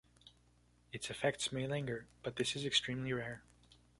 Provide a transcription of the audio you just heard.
Its effects may linger but this is extremely rare.